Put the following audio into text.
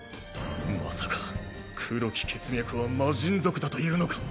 まさか黒き血脈は魔神族だというのか？